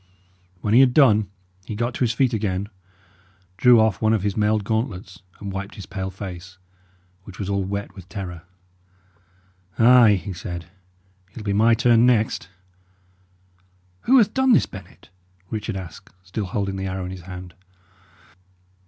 When he had done, he got to his feet again, drew off one of his mailed gauntlets, and wiped his pale face, which was all wet with terror. "Ay," he said, "it'll be my turn next." "Who hath done this, Bennet?" Richard asked, still holding the arrow in his hand.